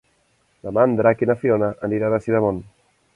Demà en Drac i na Fiona aniran a Sidamon.